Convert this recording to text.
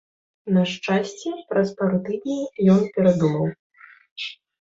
На шчасце, праз пару тыдняў ён перадумаў.